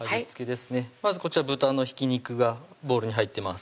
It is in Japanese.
まずこちら豚のひき肉がボウルに入ってます